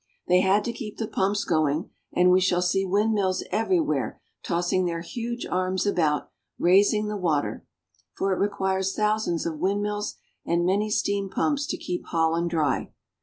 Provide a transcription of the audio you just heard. They had to keep the pumps going, and we shall see windmills everywhere tossing their huge arms about, raising the water ; for it requires thousands of windmills and many steam pumps to keep Holland dry.